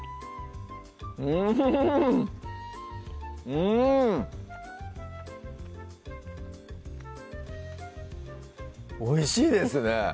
うんおいしいですね